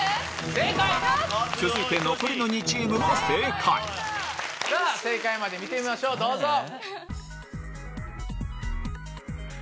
続いて残りの２チームも正解正解まで見てみましょうどうぞ。